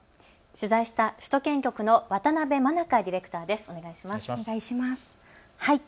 取材した首都圏局の渡邉真奈香ディレクターです。